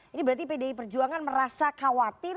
ini berarti pdi perjuangan merasa khawatir